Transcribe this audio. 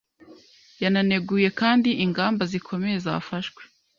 Yananeguye kandi ingamba zikomeye zafashwe